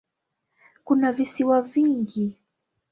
Kuna visiwa vingi.